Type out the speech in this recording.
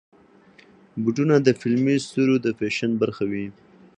بوټونه د فلمي ستورو د فیشن برخه وي.